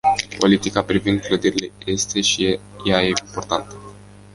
Politica privind clădirile este și ea importantă.